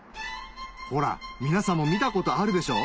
ほら皆さんも見たことあるでしょ